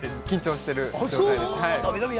緊張してるかい？